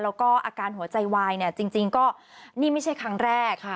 แล้วก็อาการหัวใจวายเนี่ยจริงก็นี่ไม่ใช่ครั้งแรกค่ะ